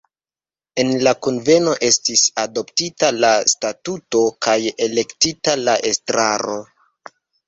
En la kunveno estis adoptita la statuto kaj elektita la estraro.